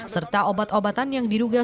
serta obat obatan yang diduga